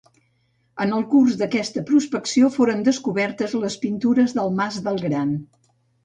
En el curs d'aquesta prospecció foren descobertes les pintures del Mas del Gran.